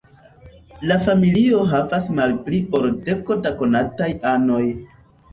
La familio havas malpli ol deko da konataj anoj.